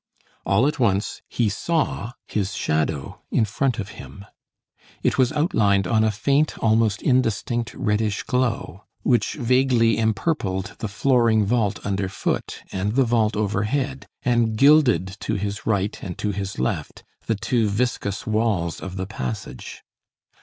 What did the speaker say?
All at once, he saw his shadow in front of him. It was outlined on a faint, almost indistinct reddish glow, which vaguely empurpled the flooring vault underfoot, and the vault overhead, and gilded to his right and to his left the two viscous walls of the passage.